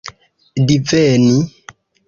diveni